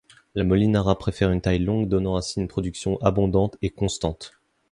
La molinara préfère une taille longue donnant ainsi une production abondante et constante.